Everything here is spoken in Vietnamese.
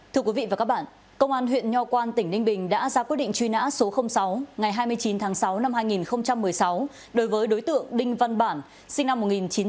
thưa quý vị và các bạn công an huyện nho quan tỉnh ninh bình đã ra quyết định truy nã số sáu ngày hai mươi chín tháng sáu năm hai nghìn một mươi sáu đối với đối tượng đinh văn bản sinh năm một nghìn chín trăm tám mươi